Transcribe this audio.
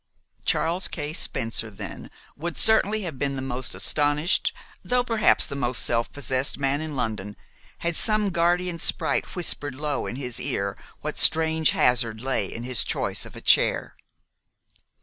Charles K. Spencer, then, would certainly have been the most astonished, though perhaps the most self possessed, man in London had some guardian sprite whispered low in his ear what strange hazard lay in his choice of a chair.